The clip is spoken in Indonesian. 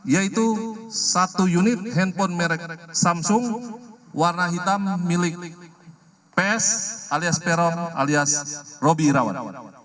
yaitu satu unit handphone merek samsung warna hitam milik ps alias peron alias roby irawan